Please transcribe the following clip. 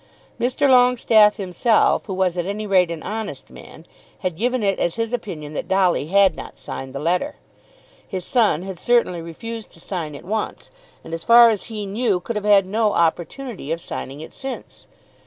Mr. Longestaffe himself, who was at any rate an honest man, had given it as his opinion that Dolly had not signed the letter. His son had certainly refused to sign it once, and as far as he knew could have had no opportunity of signing it since.